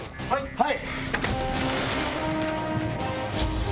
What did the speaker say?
はい！